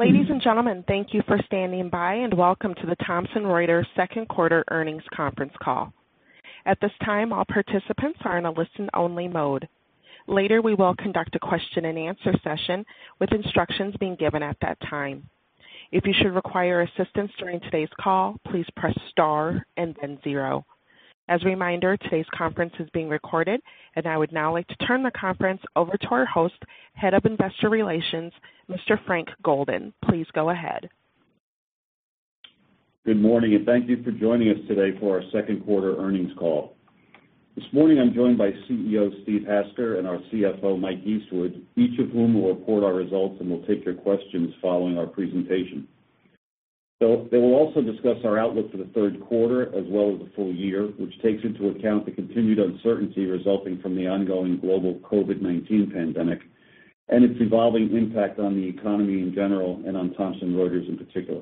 Ladies and gentlemen, thank you for standing by and welcome to the Thomson Reuters Second Quarter Earnings Conference Call. At this time, all participants are in a listen-only mode. Later, we will conduct a question-and-answer session with instructions being given at that time. If you should require assistance during today's call, please press star and then zero. As a reminder, today's conference is being recorded, and I would now like to turn the conference over to our host, Head of Investor Relations, Mr. Frank Golden. Please go ahead. Good morning, and thank you for joining us today for our second quarter earnings call. This morning, I'm joined by CEO Steve Hasker, and our CFO, Mike Eastwood, each of whom will report our results and will take your questions following our presentation. They will also discuss our outlook for the third quarter as well as the full year, which takes into account the continued uncertainty resulting from the ongoing global COVID-19 pandemic and its evolving impact on the economy in general and on Thomson Reuters in particular.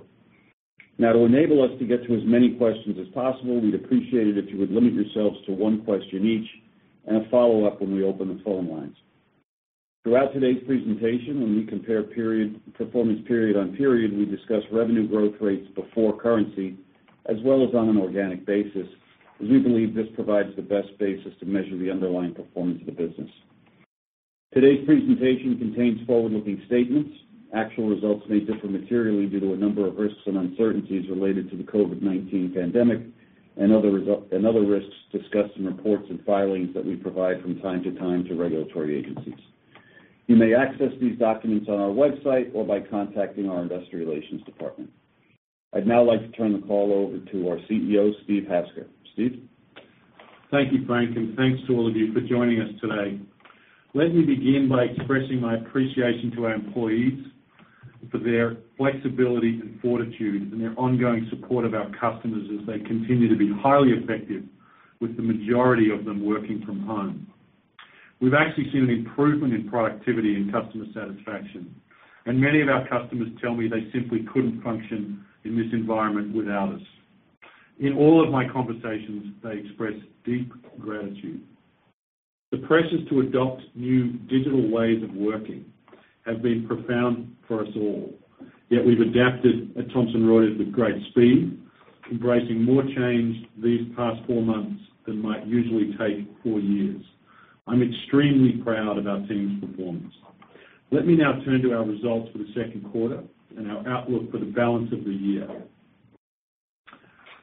Now, to enable us to get to as many questions as possible, we'd appreciate it if you would limit yourselves to one question each and a follow-up when we open the phone lines. Throughout today's presentation, when we compare performance period on period, we discuss revenue growth rates before currency as well as on an organic basis, as we believe this provides the best basis to measure the underlying performance of the business. Today's presentation contains forward-looking statements. Actual results may differ materially due to a number of risks and uncertainties related to the COVID-19 pandemic and other risks discussed in reports and filings that we provide from time to time to regulatory agencies. You may access these documents on our website or by contacting our Investor Relations Department. I'd now like to turn the call over to our CEO, Steve Hasker. Steve. Thank you, Frank, and thanks to all of you for joining us today. Let me begin by expressing my appreciation to our employees for their flexibility and fortitude and their ongoing support of our customers as they continue to be highly effective, with the majority of them working from home. We've actually seen an improvement in productivity and customer satisfaction, and many of our customers tell me they simply couldn't function in this environment without us. In all of my conversations, they express deep gratitude. The pressures to adopt new digital ways of working have been profound for us all, yet we've adapted at Thomson Reuters with great speed, embracing more change these past four months than might usually take four years. I'm extremely proud of our team's performance. Let me now turn to our results for the second quarter and our outlook for the balance of the year.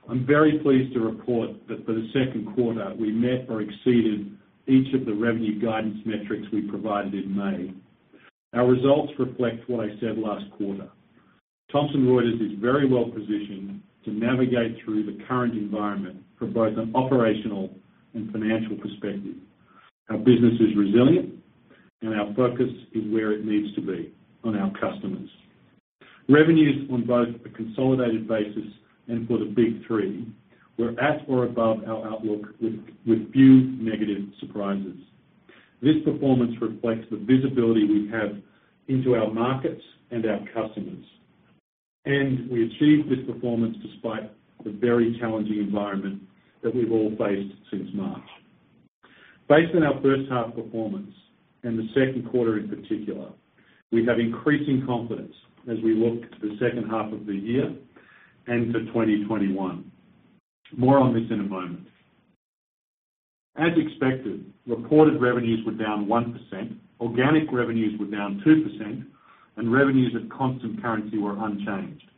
I'm very pleased to report that for the second quarter, we met or exceeded each of the revenue guidance metrics we provided in May. Our results reflect what I said last quarter. Thomson Reuters is very well positioned to navigate through the current environment from both an operational and financial perspective. Our business is resilient, and our focus is where it needs to be on our customers. Revenues on both a consolidated basis and for the Big Three were at or above our outlook, with few negative surprises. This performance reflects the visibility we have into our markets and our customers, and we achieved this performance despite the very challenging environment that we've all faced since March. Based on our first-half performance and the second quarter in particular, we have increasing confidence as we look to the second half of the year and to 2021. More on this in a moment. As expected, reported revenues were down 1%, organic revenues were down 2%, and revenues at constant currency were unchanged.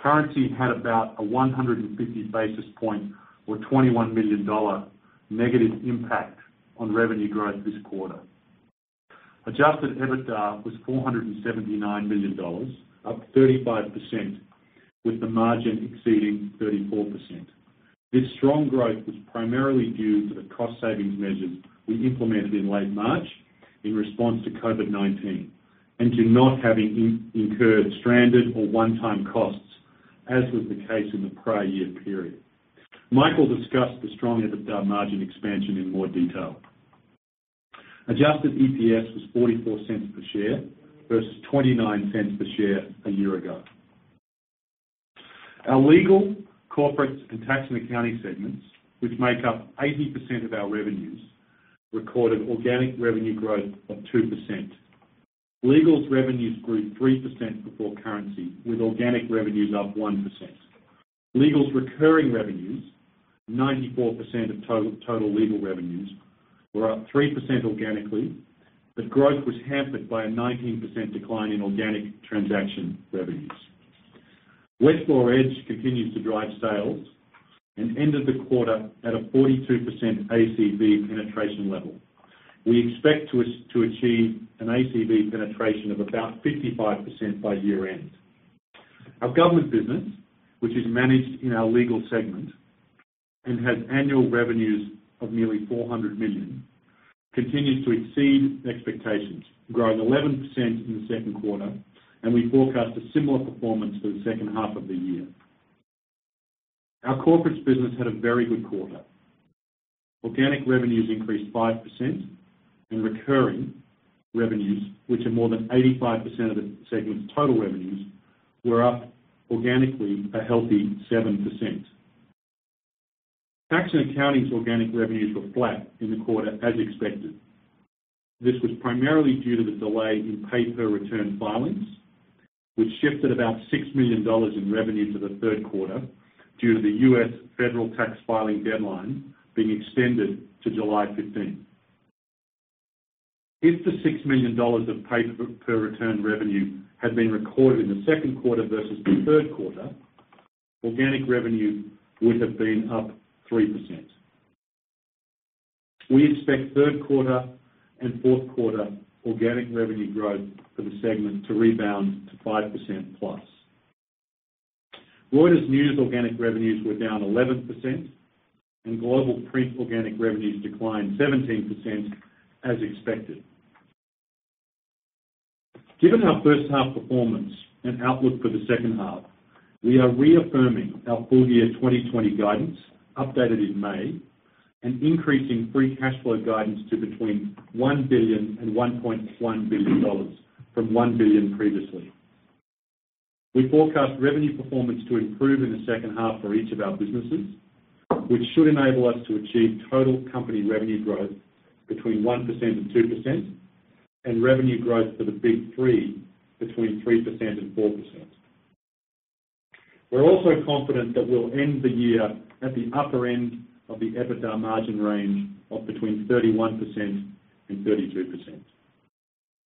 Currency had about a 150 basis point or $21 million negative impact on revenue growth this quarter. Adjusted EBITDA was $479 million, up 35%, with the margin exceeding 34%. This strong growth was primarily due to the cost-savings measures we implemented in late March in response to COVID-19 and to not having incurred stranded or one-time costs, as was the case in the prior year period. Michael discussed the strong EBITDA margin expansion in more detail. Adjusted EPS was $0.44 per share versus $0.29 per share a year ago. Our Legal, Corporates, and Tax & Accounting segments, which make up 80% of our revenues, recorded organic revenue growth of 2%. Legal's revenues grew 3% before currency, with organic revenues up 1%. Legal's recurring revenues, 94% of total legal revenues, were up 3% organically, but growth was hampered by a 19% decline in organic transaction revenues. Westlaw Edge continues to drive sales and ended the quarter at a 42% ACV penetration level. We expect to achieve an ACV penetration of about 55% by year-end. Our government business, which is managed in our legal segment and has annual revenues of nearly $400 million, continues to exceed expectations, growing 11% in the second quarter, and we forecast a similar performance for the second half of the year. Our corporate business had a very good quarter. Organic revenues increased 5%, and recurring revenues, which are more than 85% of the segment's total revenues, were up organically a healthy 7%. Tax and accounting's organic revenues were flat in the quarter, as expected. This was primarily due to the delay in pay-per-return filings, which shifted about $6 million in revenue for the third quarter due to the U.S. federal tax filing deadline being extended to July 15th. If the $6 million of pay-per-return revenue had been recorded in the second quarter versus the third quarter, organic revenue would have been up 3%. We expect third quarter and fourth quarter organic revenue growth for the segment to rebound to 5% plus. Reuters News organic revenues were down 11%, and Global Print organic revenues declined 17%, as expected. Given our first-half performance and outlook for the second half, we are reaffirming our full-year 2020 guidance, updated in May, and increasing free cash flow guidance to between $1 billion and $1.1 billion from $1 billion previously. We forecast revenue performance to improve in the second half for each of our businesses, which should enable us to achieve total company revenue growth between 1% and 2% and revenue growth for the Big Three between 3% and 4%. We're also confident that we'll end the year at the upper end of the EBITDA margin range of between 31% and 32%.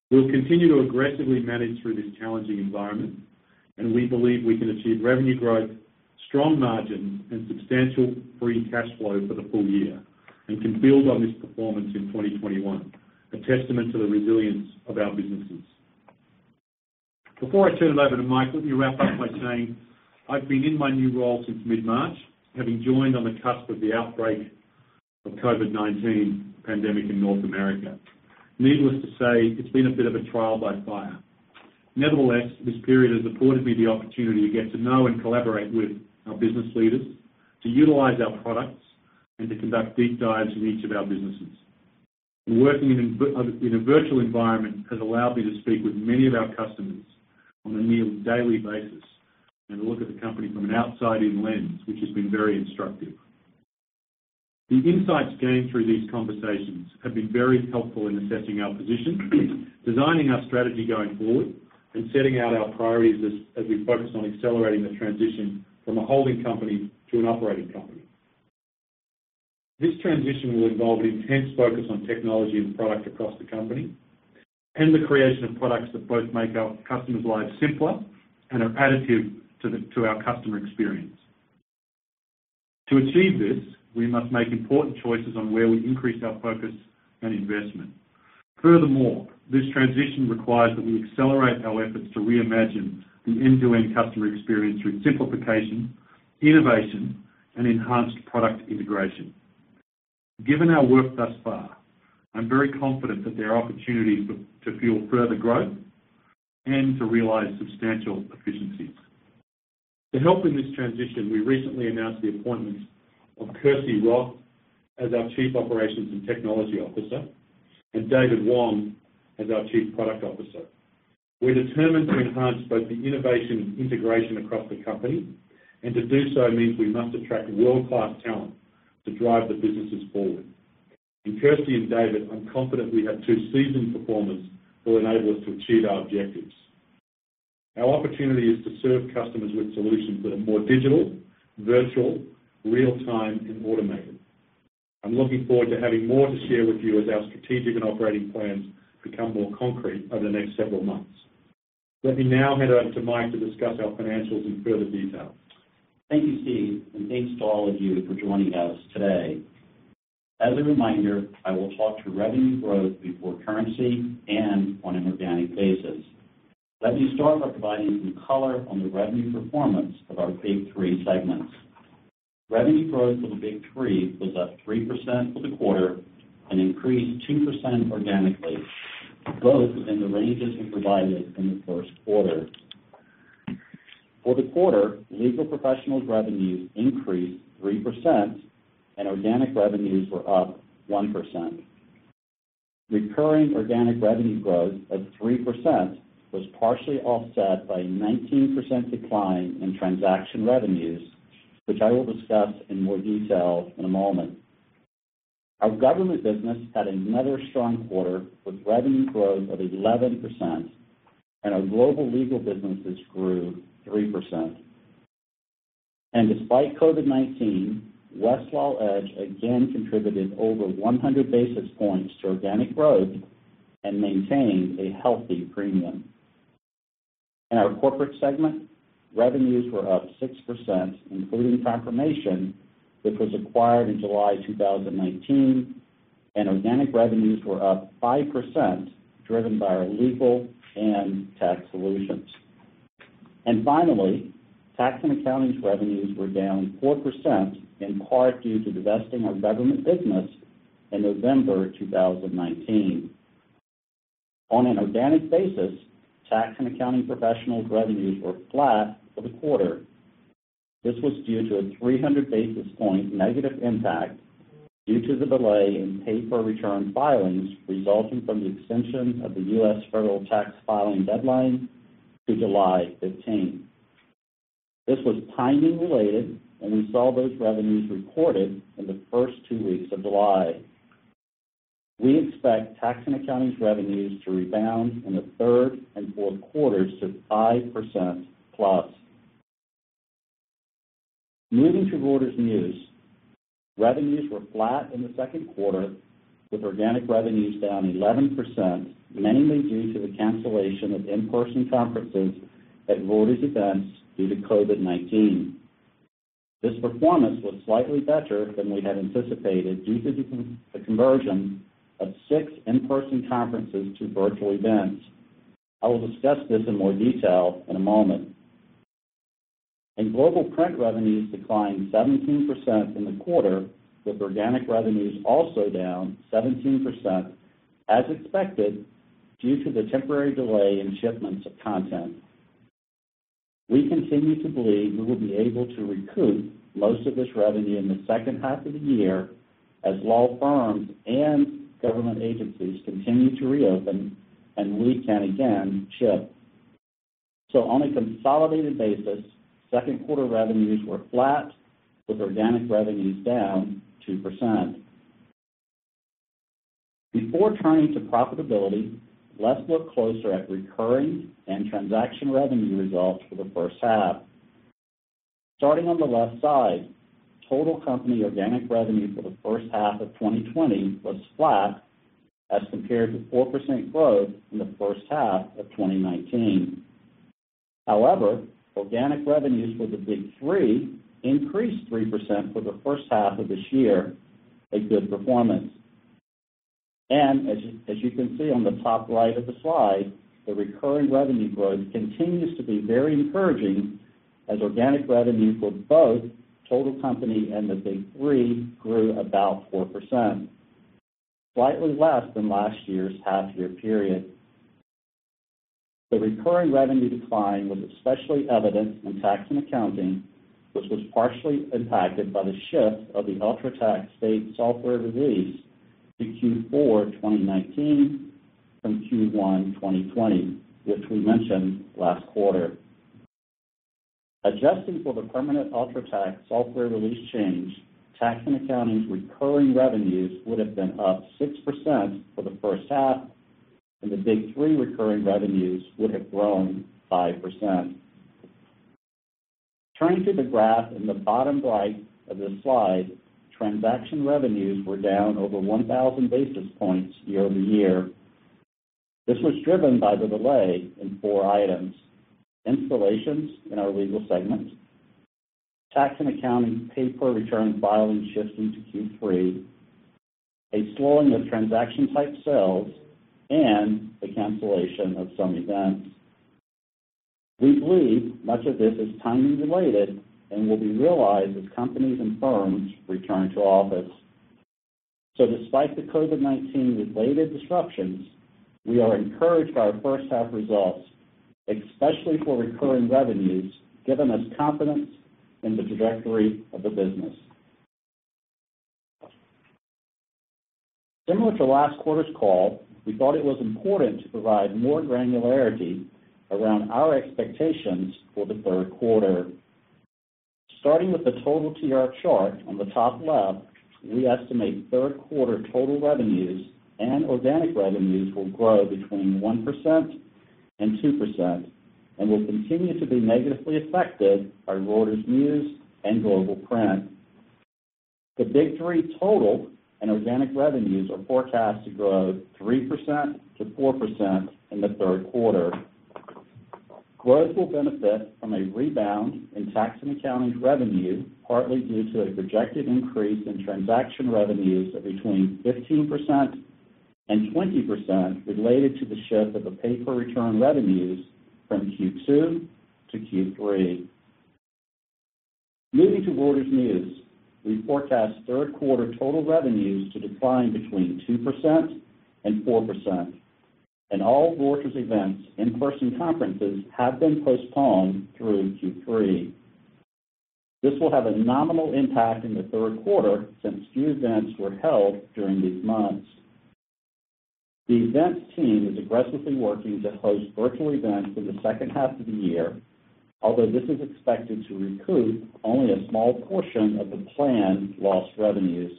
We'll continue to aggressively manage through this challenging environment, and we believe we can achieve revenue growth, strong margins, and substantial free cash flow for the full year and can build on this performance in 2021, a testament to the resilience of our businesses. Before I turn it over to Michael, let me wrap up by saying I've been in my new role since mid-March, having joined on the cusp of the outbreak of COVID-19 pandemic in North America. Needless to say, it's been a bit of a trial by fire. Nevertheless, this period has afforded me the opportunity to get to know and collaborate with our business leaders, to utilize our products, and to conduct deep dives in each of our businesses. Working in a virtual environment has allowed me to speak with many of our customers on a nearly daily basis and to look at the company from an outside-in lens, which has been very instructive. The insights gained through these conversations have been very helpful in assessing our position, designing our strategy going forward, and setting out our priorities as we focus on accelerating the transition from a holding company to an operating company. This transition will involve an intense focus on technology and product across the company and the creation of products that both make our customers' lives simpler and are additive to our customer experience. To achieve this, we must make important choices on where we increase our focus and investment. Furthermore, this transition requires that we accelerate our efforts to reimagine the end-to-end customer experience through simplification, innovation, and enhanced product integration. Given our work thus far, I'm very confident that there are opportunities to fuel further growth and to realize substantial efficiencies. To help in this transition, we recently announced the appointment of Kirsty Roth as our Chief Operations and Technology Officer and David Wong as our Chief Product Officer. We're determined to enhance both the innovation and integration across the company, and to do so means we must attract world-class talent to drive the businesses forward. In Kirsty and David, I'm confident we have two seasoned performers who will enable us to achieve our objectives. Our opportunity is to serve customers with solutions that are more digital, virtual, real-time, and automated. I'm looking forward to having more to share with you as our strategic and operating plans become more concrete over the next several months. Let me now hand over to Mike to discuss our financials in further detail. Thank you, Steve, and thanks to all of you for joining us today. As a reminder, I will talk to revenue growth before currency and on an organic basis. Let me start by providing some color on the revenue performance of our Big Three segments. Revenue growth for the Big Three was up 3% for the quarter and increased 2% organically, both within the ranges we provided in the first quarter. For the quarter, Legal Professionals' revenues increased 3%, and organic revenues were up 1%. Recurring organic revenue growth of 3% was partially offset by a 19% decline in transaction revenues, which I will discuss in more detail in a moment. Our government business had another strong quarter with revenue growth of 11%, and our global legal businesses grew 3%. Despite COVID-19, Westlaw Edge again contributed over 100 basis points to organic growth and maintained a healthy premium. In our corporate segment, revenues were up 6%, including Confirmation, which was acquired in July 2019, and organic revenues were up 5%, driven by our legal and tax solutions. And finally, tax and accounting's revenues were down 4%, in part due to divesting our government business in November 2019. On an organic basis, tax and accounting professionals' revenues were flat for the quarter. This was due to a 300 basis points negative impact due to the delay in pay-per-return filings resulting from the extension of the U.S. federal tax filing deadline to July 15th. This was timing-related, and we saw those revenues recorded in the first two weeks of July. We expect tax and accounting's revenues to rebound in the third and fourth quarters to 5% plus. Moving to Reuters News, revenues were flat in the second quarter, with organic revenues down 11%, mainly due to the cancellation of in-person conferences at Reuters Events due to COVID-19. This performance was slightly better than we had anticipated due to the conversion of six in-person conferences to virtual events. I will discuss this in more detail in a moment. And Global Print revenues declined 17% in the quarter, with organic revenues also down 17%, as expected due to the temporary delay in shipments of content. We continue to believe we will be able to recoup most of this revenue in the second half of the year as law firms and government agencies continue to reopen and we can again ship. So on a consolidated basis, second quarter revenues were flat, with organic revenues down 2%. Before turning to profitability, let's look closer at recurring and transaction revenue results for the first half. Starting on the left side, total company organic revenue for the first half of 2020 was flat as compared to 4% growth in the first half of 2019. However, organic revenues for the Big Three increased 3% for the first half of this year, a good performance. As you can see on the top right of the slide, the recurring revenue growth continues to be very encouraging as organic revenue for both total company and the Big Three grew about 4%, slightly less than last year's half-year period. The recurring revenue decline was especially evident in tax and accounting, which was partially impacted by the shift of the UltraTax state software release to Q4 2019 from Q1 2020, which we mentioned last quarter. Adjusting for the permanent UltraTax software release change, tax and accounting's recurring revenues would have been up 6% for the first half, and the Big Three recurring revenues would have grown 5%. Turning to the graph in the bottom right of the slide, transaction revenues were down over 1,000 basis points year-over-year. This was driven by the delay in four items: installations in our legal segment, tax and accounting pay-per-return filings shifting to Q3, a slowing of transaction-type sales, and the cancellation of some events. We believe much of this is timing-related and will be realized as companies and firms return to office. So despite the COVID-19-related disruptions, we are encouraged by our first-half results, especially for recurring revenues, giving us confidence in the trajectory of the business. Similar to last quarter's call, we thought it was important to provide more granularity around our expectations for the third quarter. Starting with the total TR chart on the top left, we estimate third-quarter total revenues and organic revenues will grow between 1% and 2% and will continue to be negatively affected by Reuters News and Global Print. The Big Three total and organic revenues are forecast to grow 3% to 4% in the third quarter. Growth will benefit from a rebound in tax and accounting's revenue, partly due to a projected increase in transaction revenues of between 15% and 20% related to the shift of the pay-per-return revenues from Q2 to Q3. Moving to Reuters News, we forecast third-quarter total revenues to decline between 2% and 4%, and all Reuters Events' in-person conferences have been postponed through Q3. This will have a nominal impact in the third quarter since few events were held during these months. The events team is aggressively working to host virtual events for the second half of the year, although this is expected to recoup only a small portion of the planned lost revenues.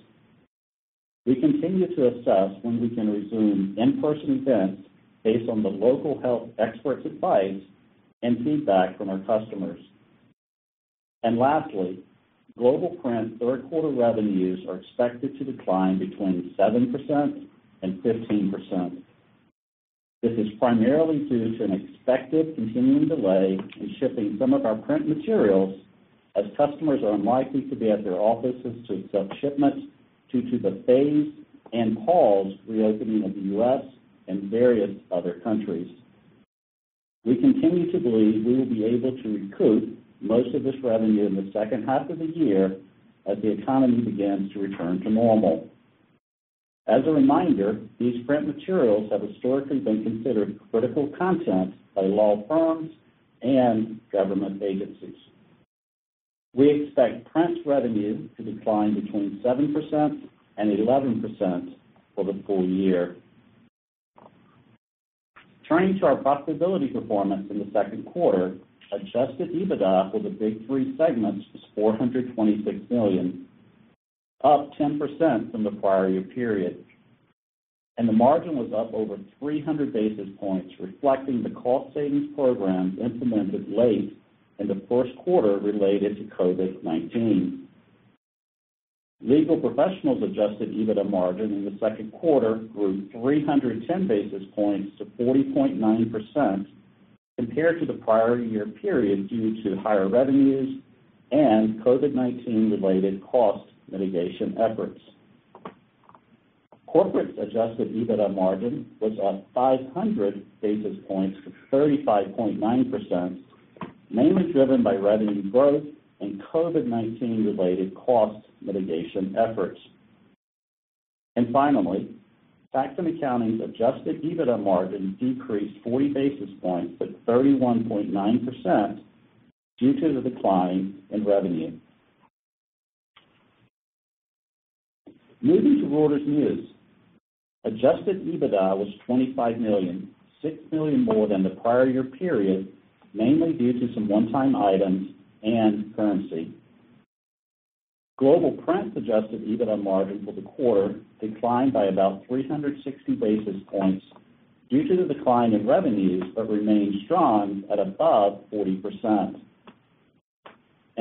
We continue to assess when we can resume in-person events based on the local health experts' advice and feedback from our customers. Lastly, Global Print third-quarter revenues are expected to decline between 7% and 15%. This is primarily due to an expected continuing delay in shipping some of our print materials as customers are unlikely to be at their offices to accept shipments due to the phased and paused reopening of the U.S. and various other countries. We continue to believe we will be able to recoup most of this revenue in the second half of the year as the economy begins to return to normal. As a reminder, these print materials have historically been considered critical content by law firms and government agencies. We expect print revenue to decline between 7% and 11% for the full year. Turning to our profitability performance in the second quarter, adjusted EBITDA for the Big Three segments was $426 million, up 10% from the prior year period, and the margin was up over 300 basis points, reflecting the cost savings programs implemented late in the first quarter related to COVID-19. Legal Professionals' adjusted EBITDA margin in the second quarter grew 310 basis points to 40.9% compared to the prior year period due to higher revenues and COVID-19-related cost mitigation efforts. Corporates adjusted EBITDA margin was up 500 basis points to 35.9%, mainly driven by revenue growth and COVID-19-related cost mitigation efforts. Finally, Tax & Accounting's Adjusted EBITDA margin decreased 40 basis points to 31.9% due to the decline in revenue. Moving to Reuters News, Adjusted EBITDA was $25 million, $6 million more than the prior year period, mainly due to some one-time items and currency. Global Print's Adjusted EBITDA margin for the quarter declined by about 360 basis points due to the decline in revenues, but remained strong at above 40%.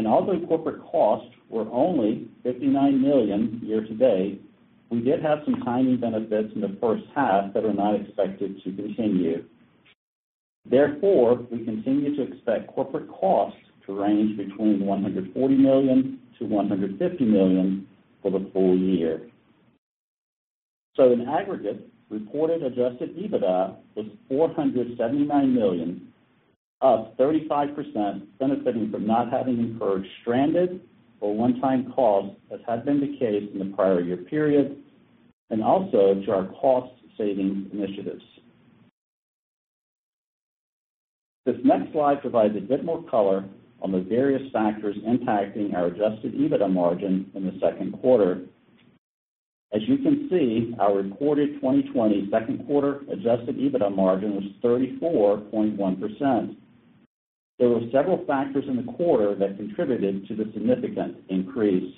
Although corporate costs were only $59 million year-to-date, we did have some timing benefits in the first half that are not expected to continue. Therefore, we continue to expect corporate costs to range between $140 million to $150 million for the full year. So in aggregate, reported adjusted EBITDA was $479 million, up 35%, benefiting from not having incurred stranded or one-time costs as had been the case in the prior year period, and also to our cost savings initiatives. This next slide provides a bit more color on the various factors impacting our adjusted EBITDA margin in the second quarter. As you can see, our reported 2020 second-quarter adjusted EBITDA margin was 34.1%. There were several factors in the quarter that contributed to the significant increase.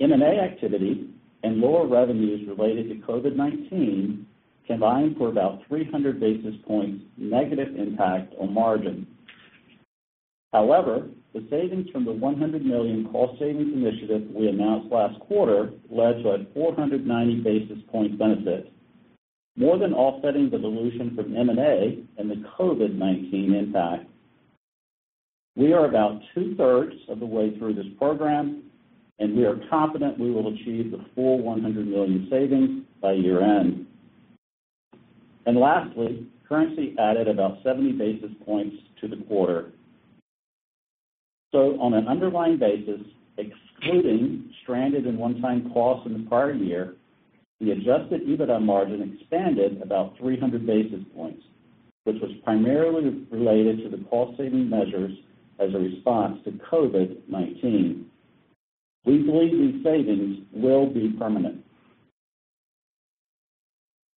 M&A activity and lower revenues related to COVID-19 combined for about 300 basis points negative impact on margin. However, the savings from the $100 million cost savings initiative we announced last quarter led to a 490 basis points benefit, more than offsetting the dilution from M&A and the COVID-19 impact. We are about two-thirds of the way through this program, and we are confident we will achieve the full $100 million savings by year-end, and lastly, currency added about 70 basis points to the quarter, so on an underlying basis, excluding stranded and one-time costs in the prior year, the Adjusted EBITDA margin expanded about 300 basis points, which was primarily related to the cost saving measures as a response to COVID-19. We believe these savings will be permanent.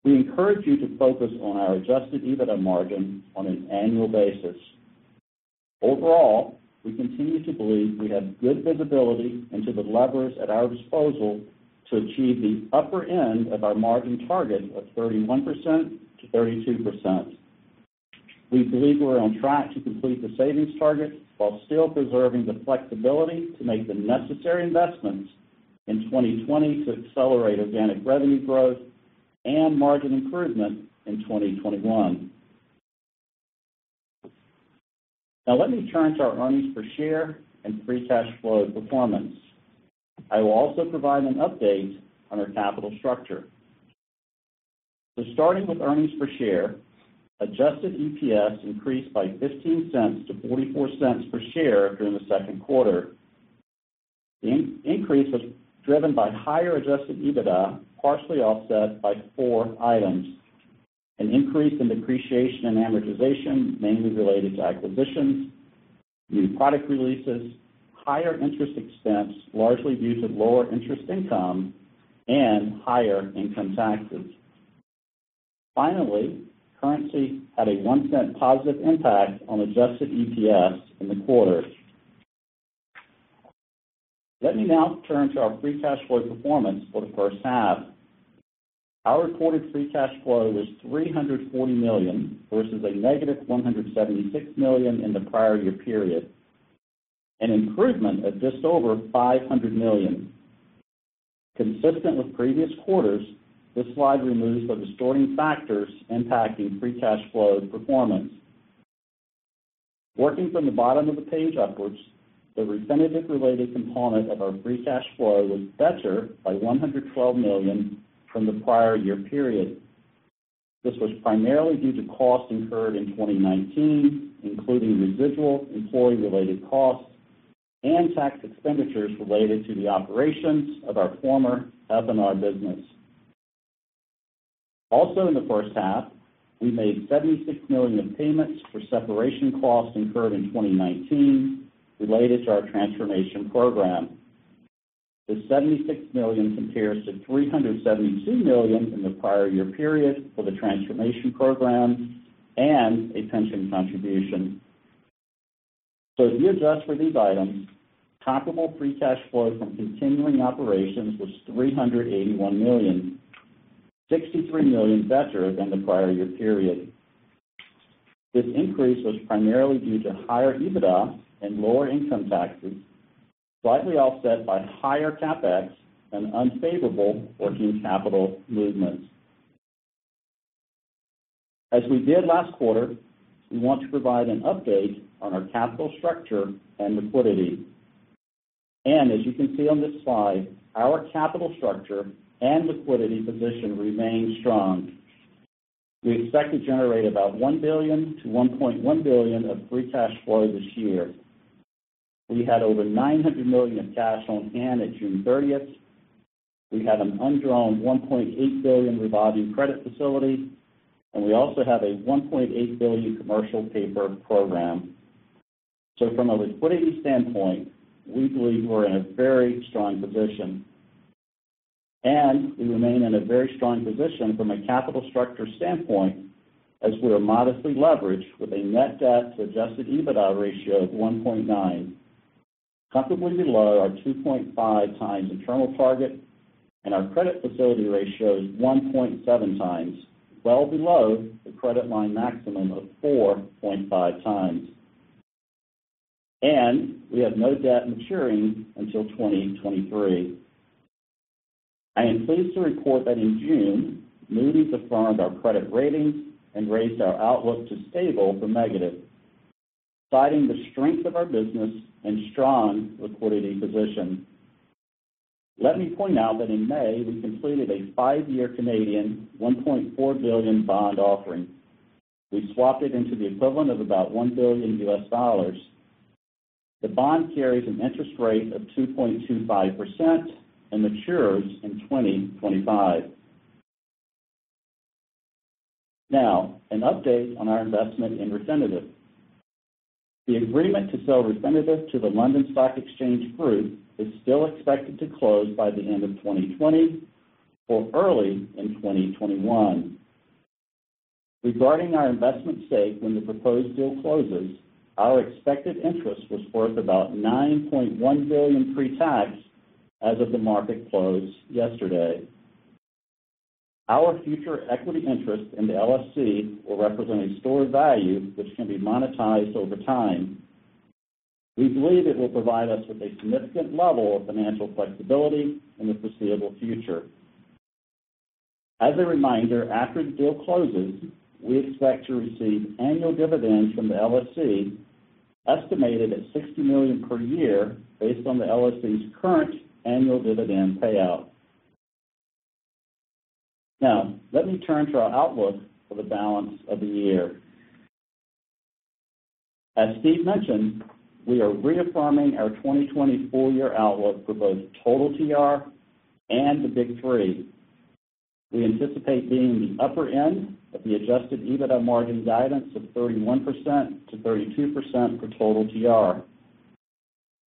We encourage you to focus on our Adjusted EBITDA margin on an annual basis. Overall, we continue to believe we have good visibility into the levers at our disposal to achieve the upper end of our margin target of 31%-32%. We believe we're on track to complete the savings target while still preserving the flexibility to make the necessary investments in 2020 to accelerate organic revenue growth and margin improvement in 2021. Now, let me turn to our earnings per share and free cash flow performance. I will also provide an update on our capital structure. So starting with earnings per share, adjusted EPS increased by $0.15-$0.44 per share during the second quarter. The increase was driven by higher adjusted EBITDA, partially offset by four items, an increase in depreciation and amortization mainly related to acquisitions, new product releases, higher interest expense, largely due to lower interest income, and higher income taxes. Finally, currency had a $0.01 positive impact on adjusted EPS in the quarter. Let me now turn to our free cash flow performance for the first half. Our reported free cash flow was $340 million versus a negative $176 million in the prior year period, an improvement of just over $500 million. Consistent with previous quarters, this slide removes the distorting factors impacting free cash flow performance. Working from the bottom of the page upwards, the Refinitiv-related component of our free cash flow was better by $112 million from the prior year period. This was primarily due to costs incurred in 2019, including residual employee-related costs and tax expenditures related to the operations of our former F&R business. Also, in the first half, we made $76 million in payments for separation costs incurred in 2019 related to our transformation program. The $76 million compares to $372 million in the prior year period for the transformation program and a pension contribution. So if you adjust for these items, comparable free cash flow from continuing operations was $381 million, $63 million better than the prior year period. This increase was primarily due to higher EBITDA and lower income taxes, slightly offset by higher CapEx and unfavorable working capital movements. As we did last quarter, we want to provide an update on our capital structure and liquidity. And as you can see on this slide, our capital structure and liquidity position remained strong. We expect to generate about $1 billion-$1.1 billion of free cash flow this year. We had over $900 million of cash on hand at June 30th. We had an undrawn $1.8 billion revolving credit facility, and we also have a $1.8 billion commercial paper program. So from a liquidity standpoint, we believe we're in a very strong position. And we remain in a very strong position from a capital structure standpoint as we are modestly leveraged with a net debt-to-adjusted EBITDA ratio of 1.9, comfortably below our 2.5 times internal target, and our credit facility ratio is 1.7 times, well below the credit line maximum of 4.5 times. And we have no debt maturing until 2023. I am pleased to report that in June, Moody's affirmed our credit ratings and raised our outlook to stable or negative, citing the strength of our business and strong liquidity position. Let me point out that in May, we completed a five-year 1.4 billion Canadian dollars bond offering. We swapped it into the equivalent of about $1 billion. The bond carries an interest rate of 2.25% and matures in 2025. Now, an update on our investment in Refinitiv. The agreement to sell Refinitiv to the London Stock Exchange Group is still expected to close by the end of 2020 or early in 2021. Regarding our investment stake when the proposed deal closes, our expected interest was worth about $9.1 billion pre-tax as of the market close yesterday. Our future equity interest in the LSEG will represent a stored value which can be monetized over time. We believe it will provide us with a significant level of financial flexibility in the foreseeable future. As a reminder, after the deal closes, we expect to receive annual dividends from the LSEG, estimated at $60 million per year based on the LSEG's current annual dividend payout. Now, let me turn to our outlook for the balance of the year. As Steve mentioned, we are reaffirming our 2020 full-year outlook for both total TR and the Big Three. We anticipate being the upper end of the adjusted EBITDA margin guidance of 31%-32% for total TR.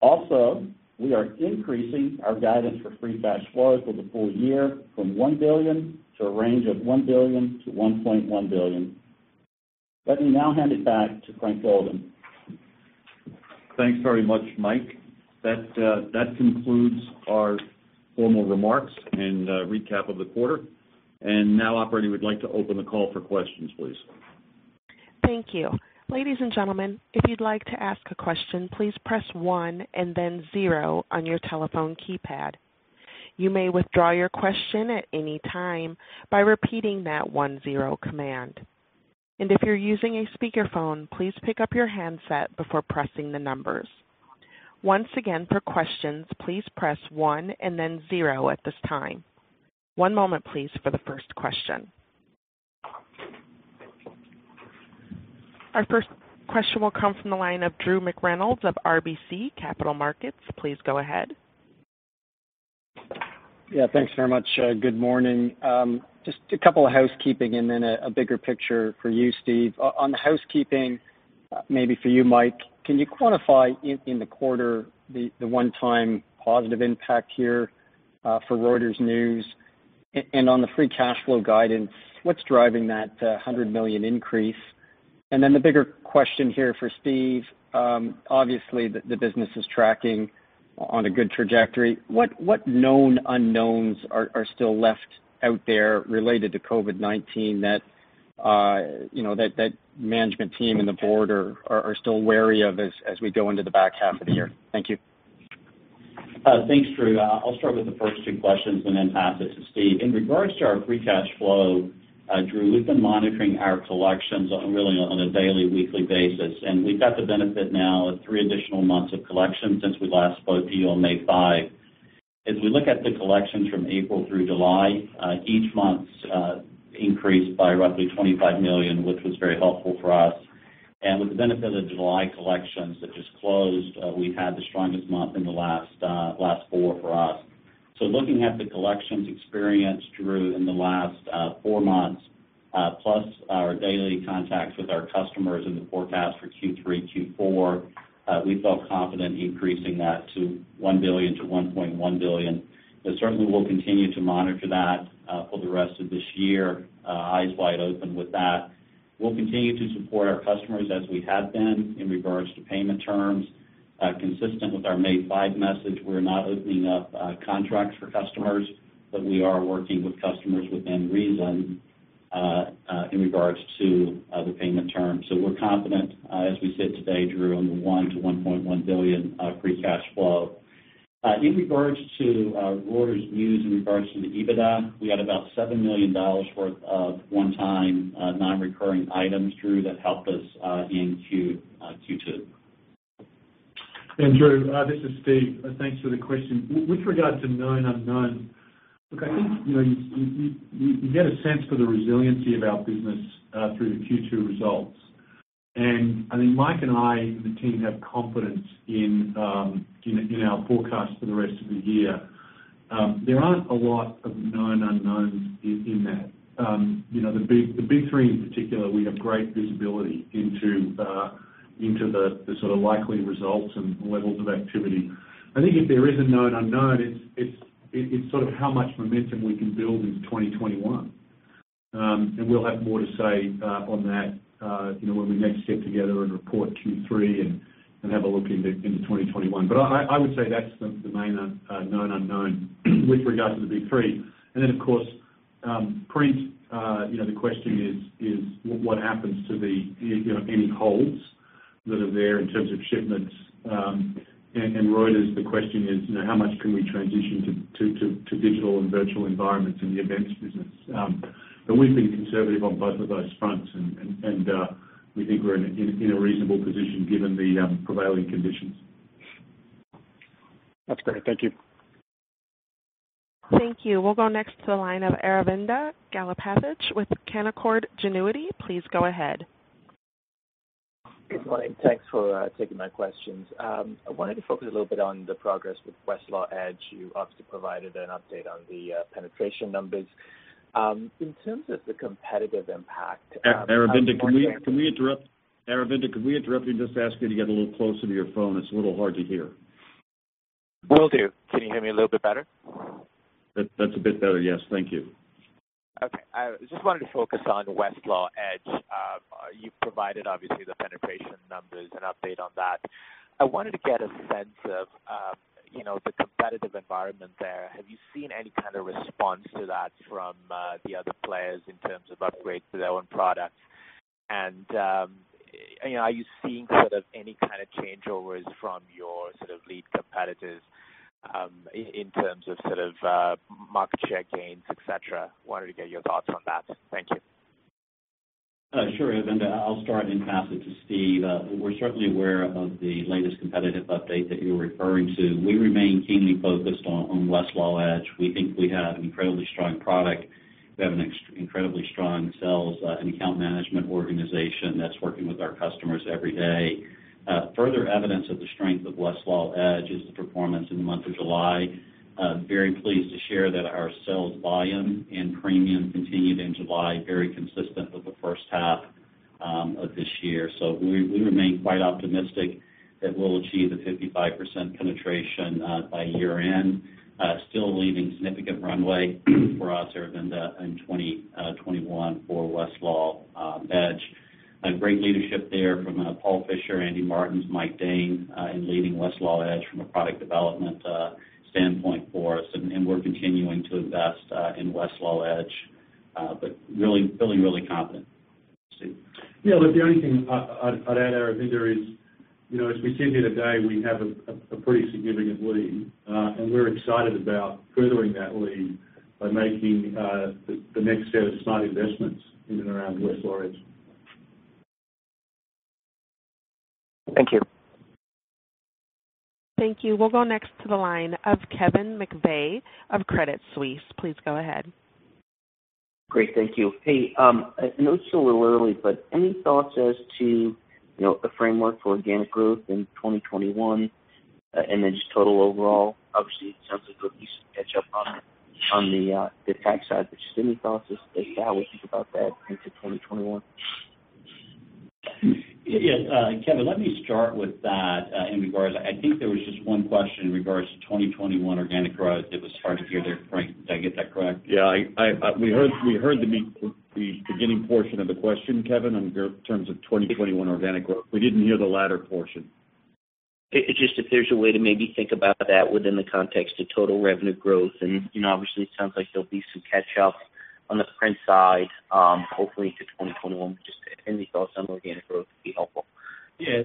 Also, we are increasing our guidance for free cash flow for the full year from $1 billion to a range of $1 billion-$1.1 billion. Let me now hand it back to Frank Golden. Thanks very much, Mike. That concludes our formal remarks and recap of the quarter. And now, operator, we'd like to open the call for questions, please. Thank you. Ladies and gentlemen, if you'd like to ask a question, please press one and then zero on your telephone keypad. You may withdraw your question at any time by repeating that one-zero command. And if you're using a speakerphone, please pick up your handset before pressing the numbers. Once again, for questions, please press one and then zero at this time. One moment, please, for the first question. Our first question will come from the line of Drew McReynolds of RBC Capital Markets. Please go ahead. Yeah, thanks very much. Good morning. Just a couple of housekeeping and then a bigger picture for you, Steve. On the housekeeping, maybe for you, Mike, can you quantify in the quarter the one-time positive impact here for Reuters News and on the free cash flow guidance? What's driving that $100 million increase? And then the bigger question here for Steve, obviously, the business is tracking on a good trajectory. What known unknowns are still left out there related to COVID-19 that that management team and the board are still wary of as we go into the back half of the year? Thank you. Thanks, Drew. I'll start with the first two questions and then pass it to Steve. In regards to our free cash flow, Drew, we've been monitoring our collections really on a daily, weekly basis. We've got the benefit now of three additional months of collections since we last spoke to you on May 5. As we look at the collections from April through July, each month increased by roughly $25 million, which was very helpful for us. With the benefit of July collections that just closed, we've had the strongest month in the last four for us. Looking at the collections experience, Drew, in the last four months, plus our daily contacts with our customers in the forecast for Q3, Q4, we felt confident increasing that to $1 billion-$1.1 billion. Certainly, we'll continue to monitor that for the rest of this year, eyes wide open with that. We'll continue to support our customers as we have been in regards to payment terms. Consistent with our May 5 message, we're not opening up contracts for customers, but we are working with customers within reason in regards to the payment terms. So we're confident, as we sit today, Drew, on the $1-$1.1 billion free cash flow. In regards to Reuters News in regards to the EBITDA, we had about $7 million worth of one-time non-recurring items, Drew, that helped us in Q2. And Drew, this is Steve. Thanks for the question. With regard to known unknowns, look, I think you get a sense for the resiliency of our business through the Q2 results. And I think Mike and I and the team have confidence in our forecast for the rest of the year. There aren't a lot of known unknowns in that. The Big Three, in particular, we have great visibility into the sort of likely results and levels of activity. I think if there is a known unknown, it's sort of how much momentum we can build into 2021, and we'll have more to say on that when we next sit together and report Q3 and have a look into 2021, but I would say that's the main known unknown with regards to the Big Three. And then, of course, print, the question is, what happens to any holds that are there in terms of shipments, and Reuters, the question is, how much can we transition to digital and virtual environments in the events business? But we've been conservative on both of those fronts, and we think we're in a reasonable position given the prevailing conditions. That's great. Thank you. Thank you. We'll go next to the line of Aravinda Galappatthige with Canaccord Genuity. Please go ahead. Good morning. Thanks for taking my questions. I wanted to focus a little bit on the progress with Westlaw Edge. You obviously provided an update on the penetration numbers. In terms of the competitive impact. Aravinda, can we interrupt? Aravinda, can we interrupt? I'm just asking you to get a little closer to your phone. It's a little hard to hear. Will do. Can you hear me a little bit better? That's a bit better, yes. Thank you. Okay. I just wanted to focus on Westlaw Edge. You've provided, obviously, the penetration numbers, an update on that. I wanted to get a sense of the competitive environment there. Have you seen any kind of response to that from the other players in terms of upgrades to their own product? Are you seeing sort of any kind of changeovers from your sort of lead competitors in terms of sort of market share gains, etc.? Wanted to get your thoughts on that. Thank you. Sure, Aravinda. I'll start and then pass it to Steve. We're certainly aware of the latest competitive update that you're referring to. We remain keenly focused on Westlaw Edge. We think we have an incredibly strong product. We have an incredibly strong sales and account management organization that's working with our customers every day. Further evidence of the strength of Westlaw Edge is the performance in the month of July. Very pleased to share that our sales volume and premium continued in July, very consistent with the first half of this year. So we remain quite optimistic that we'll achieve a 55% penetration by year-end, still leaving significant runway for us, Aravinda, in 2021 for Westlaw Edge. Great leadership there from Paul Fischer, Andy Martens, Mike Dahn in leading Westlaw Edge from a product development standpoint for us. And we're continuing to invest in Westlaw Edge, but really feeling really confident. Yeah, look, the only thing I'd add, Aravinda, is as we sit here today, we have a pretty significant lead, and we're excited about furthering that lead by making the next set of smart investments in and around Westlaw Edge. Thank you. Thank you. We'll go next to the line of Kevin McVeigh of Credit Suisse. Please go ahead. Great. Thank you. Hey, I know it's still a little early, but any thoughts as to the framework for organic growth in 2021 and then just total overall? Obviously, it sounds like you used to catch up on the tax side, but just any thoughts as to how we think about that into 2021? Yeah, Kevin, let me start with that in regards. I think there was just one question in regards to 2021 organic growth. It was hard to hear there, Frank. Did I get that correct? Yeah. We heard the beginning portion of the question, Kevin, in terms of 2021 organic growth. We didn't hear the latter portion. It's just if there's a way to maybe think about that within the context of total revenue growth, and obviously, it sounds like there'll be some catch-up on the print side, hopefully to 2021. Just any thoughts on organic growth would be helpful. Yeah.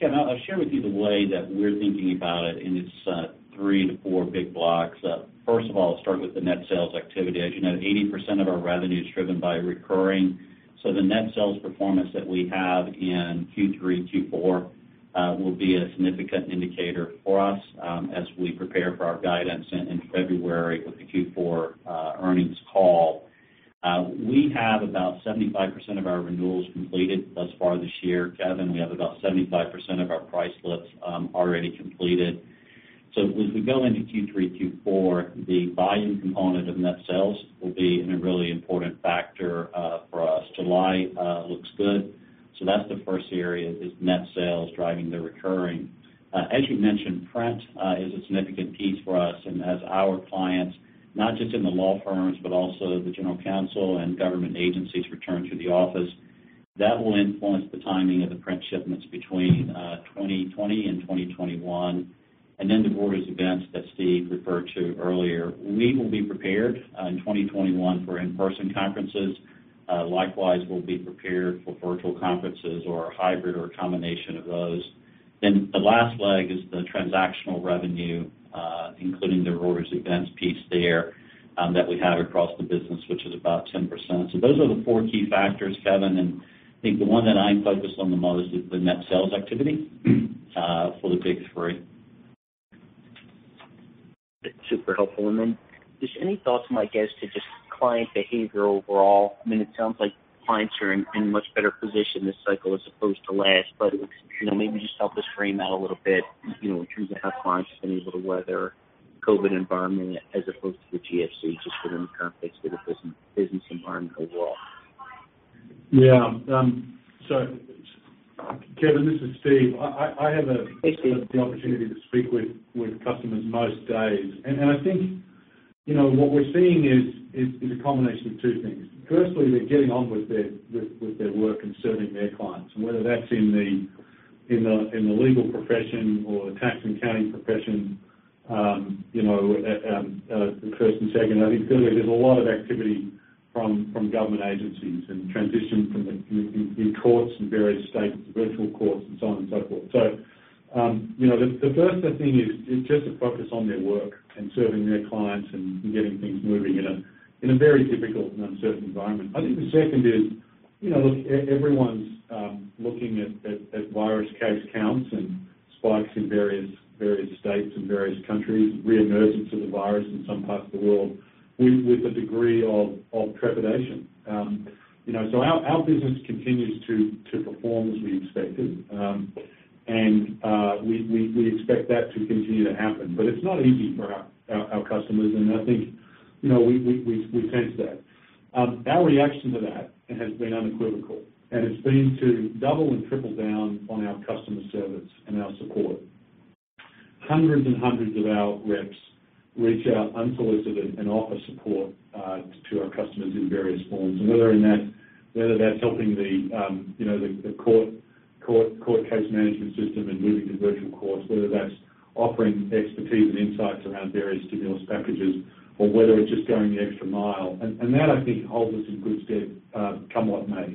Kevin, I'll share with you the way that we're thinking about it in its three to four big blocks. First of all, I'll start with the net sales activity. As you know, 80% of our revenue is driven by recurring. So the net sales performance that we have in Q3, Q4 will be a significant indicator for us as we prepare for our guidance in February with the Q4 earnings call. We have about 75% of our renewals completed thus far this year. Kevin, we have about 75% of our price slips already completed. So as we go into Q3, Q4, the volume component of net sales will be a really important factor for us. July looks good. So that's the first area is net sales driving the recurring. As you mentioned, print is a significant piece for us. And as our clients, not just in the law firms, but also the general counsel and government agencies return to the office, that will influence the timing of the print shipments between 2020 and 2021. And then the Reuters Events that Steve referred to earlier, we will be prepared in 2021 for in-person conferences. Likewise, we'll be prepared for virtual conferences or a hybrid or a combination of those. Then the last leg is the transactional revenue, including the Reuters Events piece there that we have across the business, which is about 10%. So those are the four key factors, Kevin. And I think the one that I focus on the most is the net sales activity for the Big Three. Super helpful. And then just any thoughts, Mike, as to just client behavior overall? I mean, it sounds like clients are in a much better position this cycle as opposed to last, but maybe just help us frame out a little bit in terms of how clients have been able to weather the COVID environment as opposed to the GFC, just within the context of the business environment overall. Yeah. So Kevin, this is Steve. I have the opportunity to speak with customers most days. And I think what we're seeing is a combination of two things. Firstly, they're getting on with their work and serving their clients. And whether that's in the legal profession or the tax and accounting profession, the first and second, I think there's a lot of activity from government agencies and transition from the courts in various states, virtual courts, and so on and so forth. So the first thing is just to focus on their work and serving their clients and getting things moving in a very difficult and uncertain environment. I think the second is, look, everyone's looking at virus case counts and spikes in various states and various countries, reemergence of the virus in some parts of the world with a degree of trepidation. So our business continues to perform as we expected, and we expect that to continue to happen. But it's not easy for our customers, and I think we sense that. Our reaction to that has been unequivocal, and it's been to double and triple down on our customer service and our support. Hundreds and hundreds of our reps reach out unsolicited and offer support to our customers in various forms. Whether that's helping the court case management system and moving to virtual courts, whether that's offering expertise and insights around various stimulus packages, or whether it's just going the extra mile. That, I think, holds us in good stead, come what may,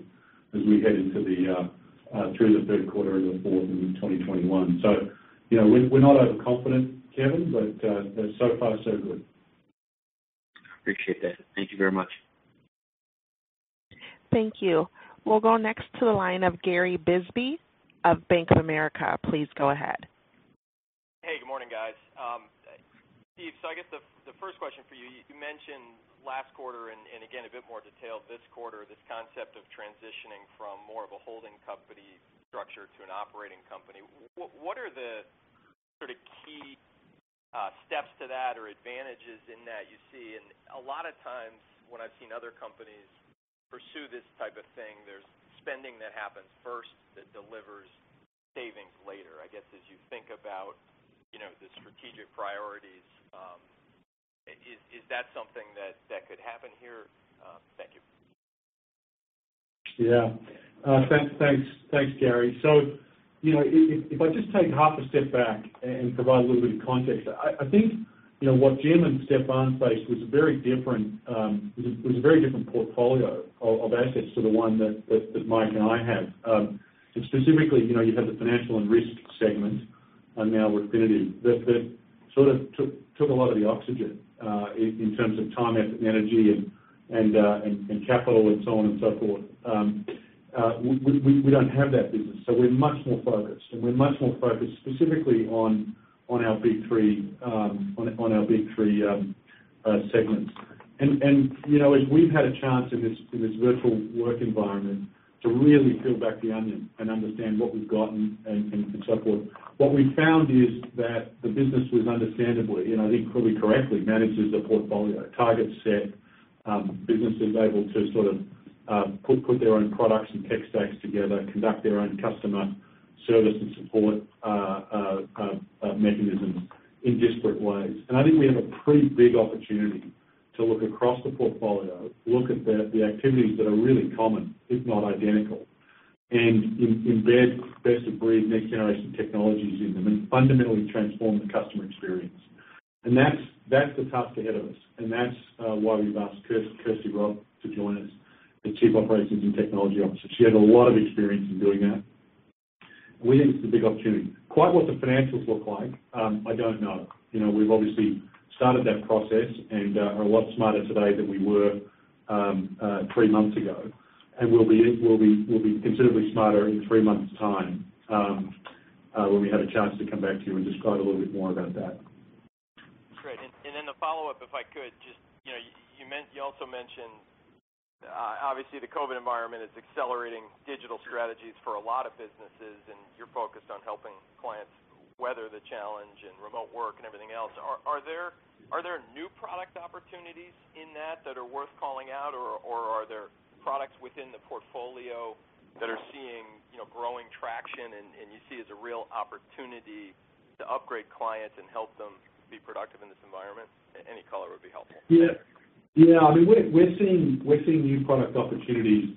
as we head through the third and fourth quarters in 2021. We're not overconfident, Kevin, but so far, so good. Appreciate that. Thank you very much. Thank you. We'll go next to the line of Gary Bisbee of Bank of America. Please go ahead. Hey, good morning, guys. Steve, so I guess the first question for you. You mentioned last quarter, and again, a bit more detailed this quarter, this concept of transitioning from more of a holding company structure to an operating company. What are the sort of key steps to that or advantages in that you see? And a lot of times when I've seen other companies pursue this type of thing, there's spending that happens first that delivers savings later. I guess as you think about the strategic priorities, is that something that could happen here? Thank you. Yeah. Thanks, Gary. So if I just take half a step back and provide a little bit of context, I think what Jim and Stephane faced was a very different portfolio of assets to the one that Mike and I have. Specifically, you had the financial and risk segment, and Refinitiv, that sort of took a lot of the oxygen in terms of time, effort, and energy, and capital, and so on and so forth. We don't have that business, so we're much more focused. And we're much more focused specifically on our Big Three, on our Big Three segments. As we've had a chance in this virtual work environment to really peel back the onion and understand what we've gotten and so forth, what we found is that the business was understandably, and I think probably correctly, manages a portfolio, targets set businesses able to sort of put their own products and tech stacks together, conduct their own customer service and support mechanisms in disparate ways. I think we have a pretty big opportunity to look across the portfolio, look at the activities that are really common, if not identical, and embed best-of-breed next-generation technologies in them and fundamentally transform the customer experience. That's the task ahead of us. That's why we've asked Kirsty Roth to join us as Chief Operations and Technology Officer. She has a lot of experience in doing that. We think it's a big opportunity. Quite what the financials look like, I don't know. We've obviously started that process and are a lot smarter today than we were three months ago, and we'll be considerably smarter in three months' time when we have a chance to come back to you and describe a little bit more about that. Great. And then the follow-up, if I could, just you also mentioned, obviously, the COVID environment is accelerating digital strategies for a lot of businesses, and you're focused on helping clients weather the challenge and remote work and everything else. Are there new product opportunities in that that are worth calling out, or are there products within the portfolio that are seeing growing traction and you see as a real opportunity to upgrade clients and help them be productive in this environment? Any color would be helpful. Yeah. Yeah. I mean, we're seeing new product opportunities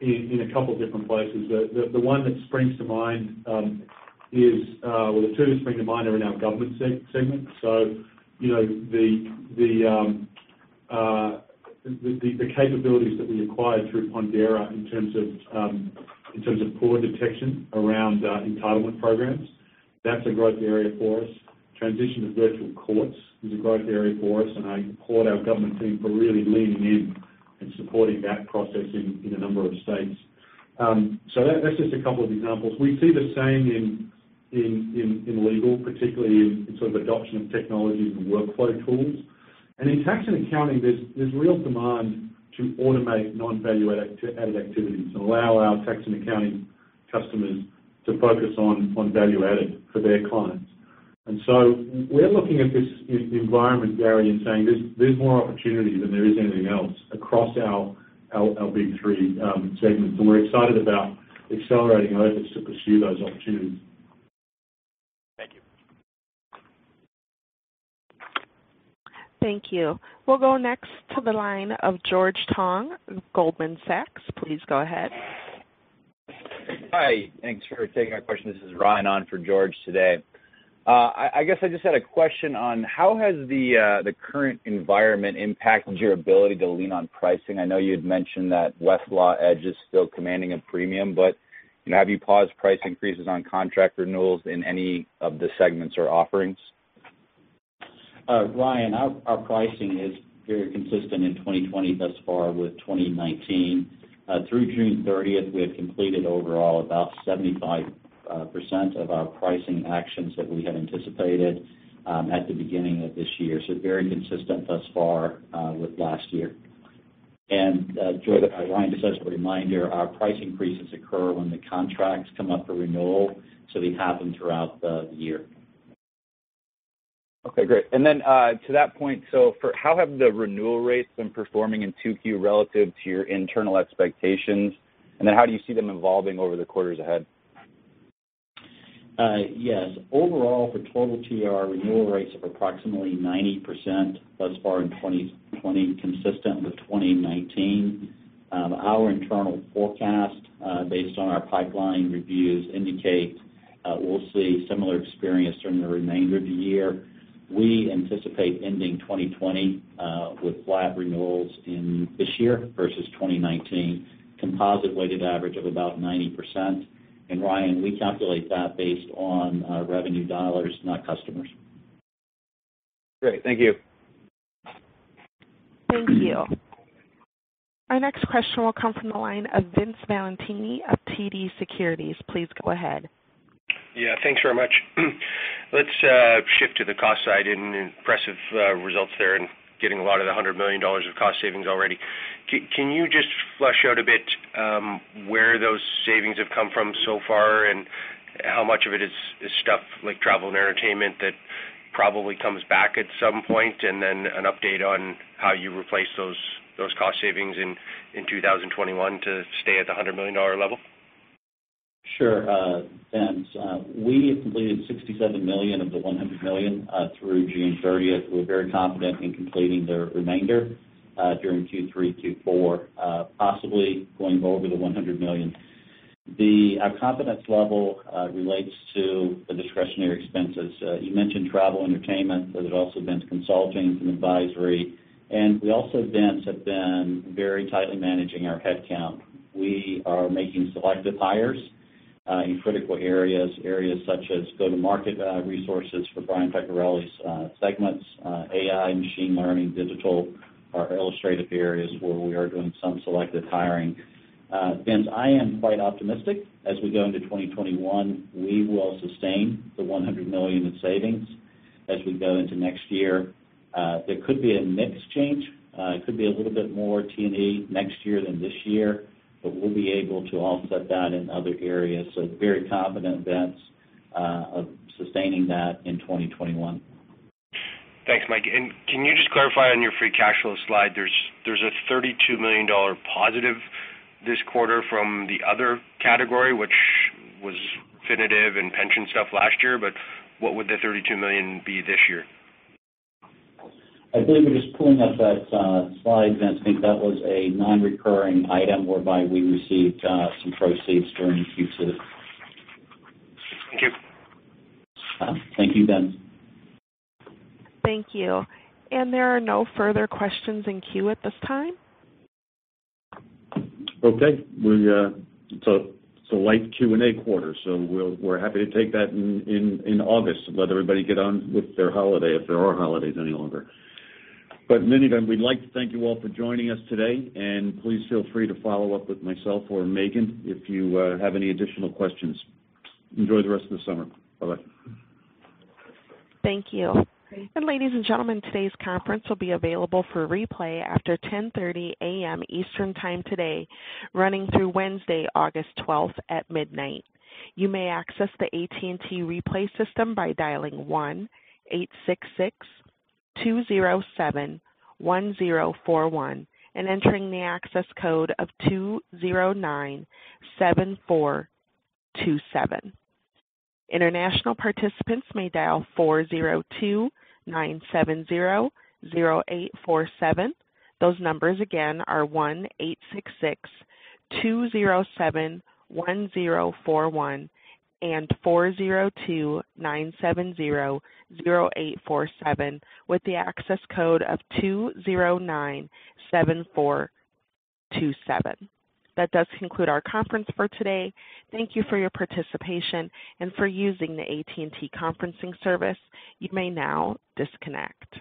in a couple of different places. The one that springs to mind is, well, the two that spring to mind are in our government segment. So the capabilities that we acquired through Pondera in terms of fraud detection around entitlement programs, that's a growth area for us. Transition to virtual courts is a growth area for us, and I applaud our government team for really leaning in and supporting that process in a number of states. So that's just a couple of examples. We see the same in legal, particularly in sort of adoption of technology and workflow tools. And in tax and accounting, there's real demand to automate non-value-added activities and allow our tax and accounting customers to focus on value-added for their clients. And so we're looking at this environment, Gary, and saying there's more opportunity than there is anything else across our big three segments. And we're excited about accelerating efforts to pursue those opportunities. Thank you. Thank you. We'll go next to the line of George Tong of Goldman Sachs. Please go ahead. Hi. Thanks for taking my question. This is Ryan on for George today. I guess I just had a question on how has the current environment impacted your ability to lean on pricing? I know you had mentioned that Westlaw Edge is still commanding a premium, but have you paused price increases on contract renewals in any of the segments or offerings? Ryan, our pricing is very consistent in 2020 thus far with 2019. Through June 30th, we had completed overall about 75% of our pricing actions that we had anticipated at the beginning of this year. So very consistent thus far with last year. And Ryan just has a reminder, our price increases occur when the contracts come up for renewal, so we have them throughout the year. Okay. Great. And then to that point, so how have the renewal rates been performing in 2Q relative to your internal expectations? And then how do you see them evolving over the quarters ahead? Yes. Overall, for total TR, renewal rates are approximately 90% thus far in 2020, consistent with 2019. Our internal forecast, based on our pipeline reviews, indicates we'll see similar experience during the remainder of the year. We anticipate ending 2020 with flat renewals in this year versus 2019, composite weighted average of about 90%. And Ryan, we calculate that based on revenue dollars, not customers. Great. Thank you. Thank you. Our next question will come from the line of Vince Valentini of TD Securities. Please go ahead. Yeah. Thanks very much. Let's shift to the cost side. Impressive results there in getting a lot of the $100 million of cost savings already. Can you just flesh out a bit where those savings have come from so far and how much of it is stuff like travel and entertainment that probably comes back at some point? And then an update on how you replace those cost savings in 2021 to stay at the $100 million level? Sure. Thanks. We have completed $67 million of the $100 million through June 30th. We're very confident in completing the remainder during Q3, Q4, possibly going over the $100 million. Our confidence level relates to the discretionary expenses. You mentioned travel, entertainment, but it also meant consulting and advisory. And we also, Vince, have been very tightly managing our headcount. We are making selective hires in critical areas, areas such as go-to-market resources for Brian Peccarelli's segments, AI, machine learning, digital, our illustrative areas where we are doing some selective hiring. Vince, I am quite optimistic. As we go into 2021, we will sustain the $100 million in savings as we go into next year. There could be a mixed change. It could be a little bit more T&E next year than this year, but we'll be able to offset that in other areas. So very confident of sustaining that in 2021. Thanks, Mike. And can you just clarify on your free cash flow slide? There's a $32 million positive this quarter from the other category, which was Refinitiv and pension stuff last year, but what would the $32 million be this year? I believe we're just pulling up that slide, Vince. I think that was a non-recurring item whereby we received some proceeds during Q2. Thank you. Thank you, Vince. Thank you. And there are no further questions in queue at this time. Okay. It's a light Q&A quarter, so we're happy to take that in August and let everybody get on with their holiday if there are holidays any longer. But many of them, we'd like to thank you all for joining us today. And please feel free to follow up with myself or Meghan if you have any additional questions. Enjoy the rest of the summer. Bye-bye. Thank you. And ladies and gentlemen, today's conference will be available for replay after 10:30 A.M. Eastern Time today, running through Wednesday, August 12th at midnight. You may access the AT&T replay system by dialing 1-866-207-1041 and entering the access code of 2097427. International participants may dial 402-970-0847. Those numbers, again, are 1-866-207-1041 and 402-970-0847 with the access code of 2097427. That does conclude our conference for today. Thank you for your participation and for using the AT&T conferencing service. You may now disconnect.